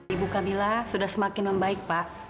ibu kabila sudah semakin membaik pak